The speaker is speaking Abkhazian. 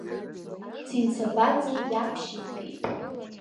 Цинцабаӡе иаԥшьигеит!